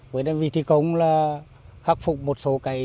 với đơn vị thi công là khắc phục một số cái